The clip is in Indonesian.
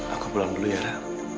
aku pulang dulu yara